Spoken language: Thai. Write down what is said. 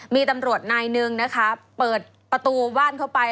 มีตำรวจนายหนึ่งนะคะเปิดประตูบ้านเข้าไป